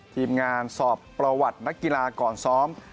ทีมงานสอบประวัตินักกีฬาก่อนซ้อม